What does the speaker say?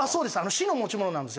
市の持ち物なんです。